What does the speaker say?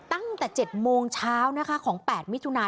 ตั้งแต่๗โมงเช้านะคะของ๘มิถุนา